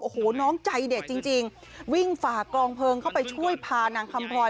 โอ้โหน้องใจเด็ดจริงวิ่งฝากรองเพลิงเข้าไปช่วยพานางคำพลอย